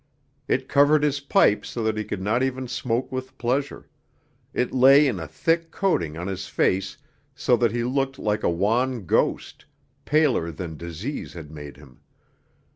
It covered his pipe so that he could not even smoke with pleasure; it lay in a thick coating on his face so that he looked like a wan ghost, paler than disease had made him.